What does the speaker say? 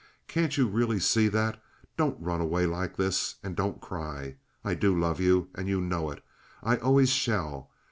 Can't you really see that? Don't run away like this, and don't cry. I do love you, and you know it. I always shall.